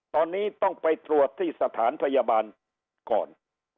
ตอนนี้ต้องไปตรวจที่สถานพยาบาลก่อน